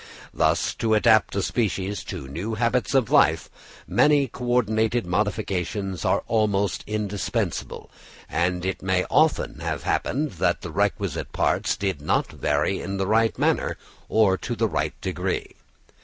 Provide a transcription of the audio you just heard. Thus to adapt a species to new habits of life, many co ordinated modifications are almost indispensable, and it may often have happened that the requisite parts did not vary in the right manner or to the right degree.